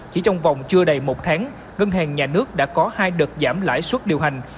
chỉ trong vòng chưa đầy một tháng ngân hàng nhà nước đã có hai đợt giảm lãi suất điều hành